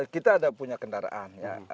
kita ada punya kendaraan ya